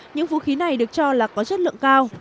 những vũ khí này được cho là có chất lượng cao